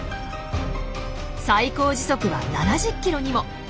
最高時速は７０キロにも。